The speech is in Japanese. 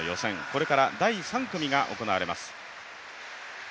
これから第３組が行われます。